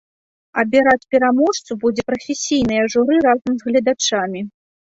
Абіраць пераможцу будзе прафесійнае журы разам з гледачамі.